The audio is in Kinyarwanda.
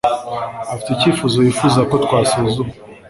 afite icyifuzo yifuza ko twasuzuma.